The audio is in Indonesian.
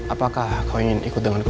apakah kau ingin ikut denganku